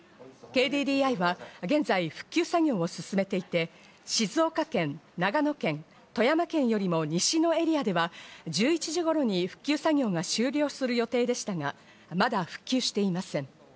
ＫＤＤＩは現在、復旧作業を進めていて、静岡、長野県、富山県よりも西のエリアでは、１１時頃に復旧作業が終了する予定でしたが、まだ復旧していません。